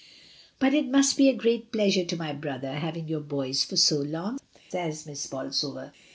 "But it must be a great pleasure to my brother having your boys for so long," says Miss Bolsover.